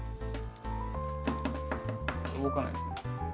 動かないですね？